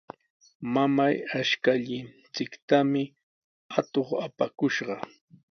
¡Mamay, ashkallanchiktami atuq apakushqa!